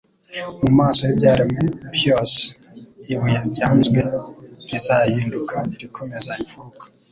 Mu maso y'ibyaremwe bvose, ibuye ryanzwe rizahinduka irikomeza imfuruka.